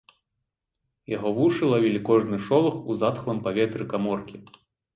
Яго вушы лавілі кожны шолах у затхлым паветры каморкі.